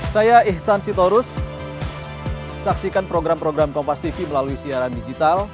saya ihsan sitorus saksikan program program kompas tv melalui siaran digital